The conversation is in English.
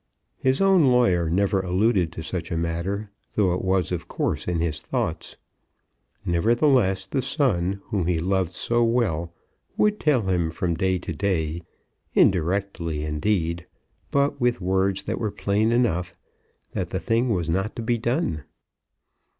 His own lawyer never alluded to such a matter, though it was of course in his thoughts. Nevertheless, the son, whom he loved so well, would tell him from day to day, indirectly, indeed, but with words that were plain enough, that the thing was not to be done.